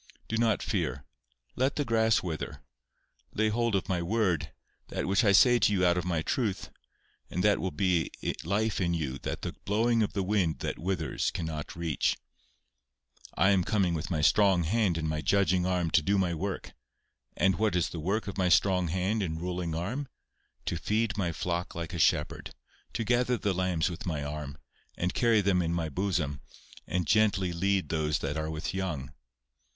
Do not fear. Let the grass wither. Lay hold of my word, that which I say to you out of my truth, and that will be life in you that the blowing of the wind that withers cannot reach. I am coming with my strong hand and my judging arm to do my work. And what is the work of my strong hand and ruling arm? To feed my flock like a shepherd, to gather the lambs with my arm, and carry them in my bosom, and gently lead those that are with young.